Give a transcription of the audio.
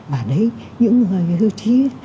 và đấy những người hưu trí